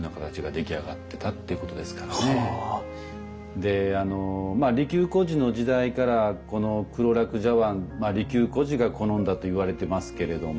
であの利休居士の時代からこの黒樂茶碗利休居士が好んだといわれてますけれども。